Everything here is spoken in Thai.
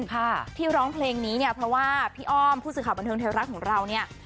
ค่ะที่ร้องเพลงนี้เนี่ยเพราะว่าพี่อ้อมผู้สื่อข่าวบันเทิงไทยรัฐของเราเนี่ย